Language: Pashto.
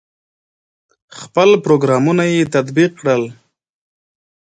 خپل پروګرامونه یې تطبیق کړل.